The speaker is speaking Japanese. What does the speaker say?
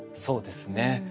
そうですね。